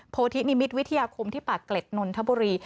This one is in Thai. โพธินิมิตรวิทยาคมที่ปากเกร็ดนนทบุรี